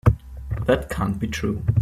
That can't be true.